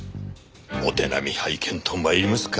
お手並み拝見と参りますか。